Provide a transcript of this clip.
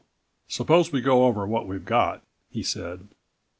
suppose we go over what we've got," he said.